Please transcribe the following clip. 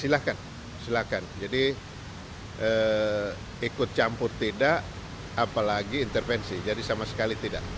silahkan silahkan jadi ikut campur tidak apalagi intervensi jadi sama sekali tidak